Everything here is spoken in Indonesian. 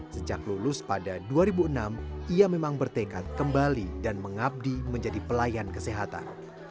sejak lulus pada dua ribu enam ia memang bertekad kembali dan mengabdi menjadi pelayan kesehatan